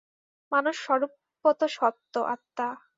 মানুষ স্বরূপত সত্ত্ব, আত্মা।